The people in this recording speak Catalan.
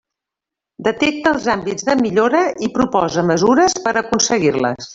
Detecta els àmbits de millora i proposa mesures per aconseguir-les.